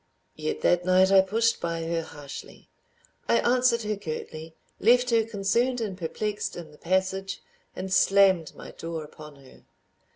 Yet that night I pushed by her harshly. I answered her curtly, left her concerned and perplexed in the passage, and slammed my door upon her.